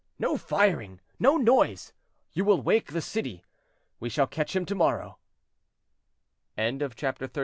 "No firing; no noise; you will wake the city. We shall catch him to morrow." CHAPTER XXXVI.